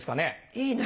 いいね。